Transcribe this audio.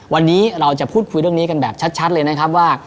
วันนี้เราจะพูดคุยเรื่องนี้กันแบบชัดเลยนะครับว่า